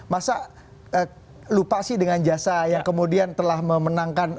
masa lupa sih dengan jasa yang kemudian telah memenangkan